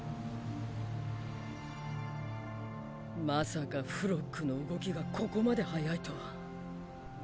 まさかフロックの動きがここまで早いとは。